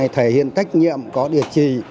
thể hiện trách nhiệm có địa chỉ